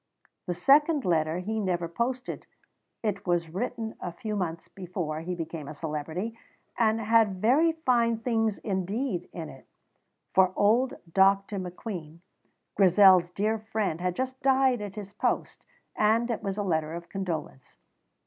The second letter he never posted. It was written a few months before he became a celebrity, and had very fine things indeed in it, for old Dr. McQueen, Grizel's dear friend, had just died at his post, and it was a letter of condolence.